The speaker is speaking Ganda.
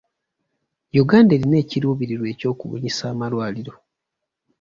Uganda erina ekiruubirirwa ekyokubunyisa amalwaliro.